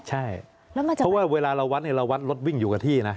ใช่เพราะว่าเวลาเราวัดเนี่ยเราวัดรถวิ่งอยู่กับที่นะ